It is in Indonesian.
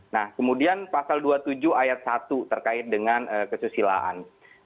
nah kemudian pasal dua puluh tujuh ayat satu terkait dengan kesusilaan